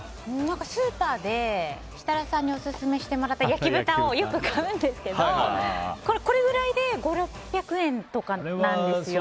スーパーで設楽さんにオススメしてもらった焼豚をよく買うんですけどこれぐらいで５００６００円とかなんですよ。